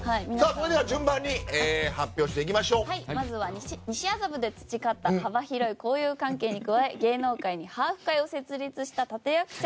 では、順番にまずは西麻布で培った幅広い交友関係に加え芸能界にハーフ会を設立した立役者。